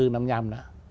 năm năm mươi năm đó